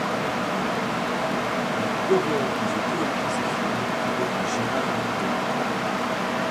Il coréalise et coécrit ses films avec Gérard Bitton.